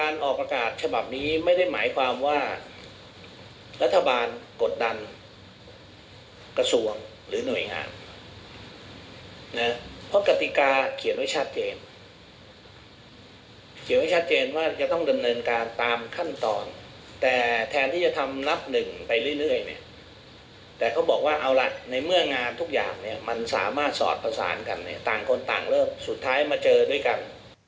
น่าสอดผสานกันตามคนต่างเรื่องสุดท้ายมาเจอด้วยกัน